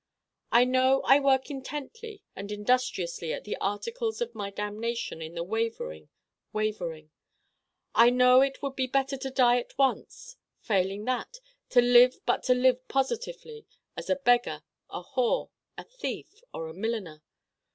I know I work intently and industriously at the articles of my damnation in the Wavering Wavering I know it would be better to die at once: failing that, to live but to live positively as a beggar, a whore, a thief or a milliner.